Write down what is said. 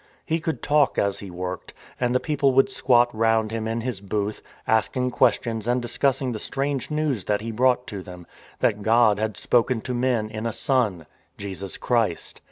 He could talk as he worked, and the people would squat round him in his booth, asking questions and discussing the strange news that he brought to them, that God had spoken to men in a Son — Jesus Christ.